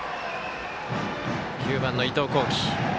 ９番の伊藤光輝。